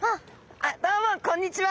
どうもこんにちは！